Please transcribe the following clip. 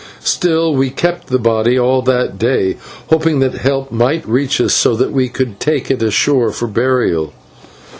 Still we kept the body all that day, hoping that help might reach us, so that we could take it ashore for burial.